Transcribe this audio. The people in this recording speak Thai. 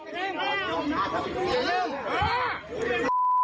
หรอ